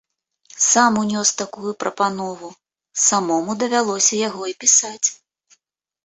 Сам унёс такую прапанову, самому давялося яго і пісаць.